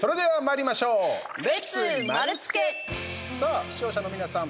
さあ視聴者の皆さん